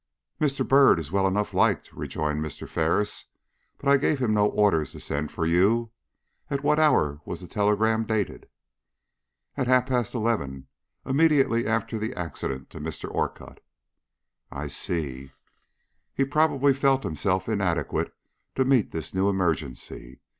"Mr. Byrd is well enough liked," rejoined Mr. Ferris, "but I gave him no orders to send for you. At what hour was the telegram dated?" "At half past eleven; immediately after the accident to Mr. Orcutt." "I see." "He probably felt himself inadequate to meet this new emergency.